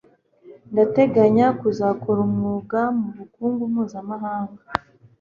Ndateganya kuzakora umwuga mubukungu mpuzamahanga